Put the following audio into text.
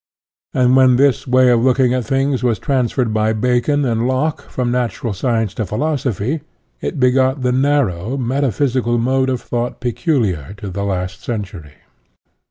And when this way of looking at things was transferred by Bacon and Locke from natural science to philosophy, it begot the narrow, metaphysical mode of thought peculiar to the last century.